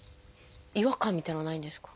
違和感みたいなのはないんですか？